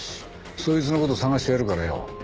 そいつの事捜してやるからよ